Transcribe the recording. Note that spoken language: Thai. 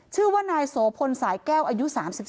ชื่อว่านายโสพลสายแก้วอายุ๓๒